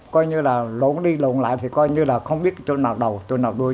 coi như là lộn đi lộn lại thì coi như là không biết chỗ nào đầu chỗ nào đuô